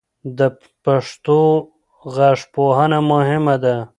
د پښتو غږپوهنه مهمه ده.